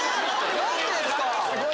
何でですか？